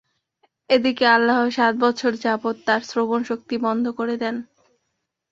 এদিকে আল্লাহ সাত বছর যাবত তার শ্রবণ শক্তি বন্ধ করে দেন।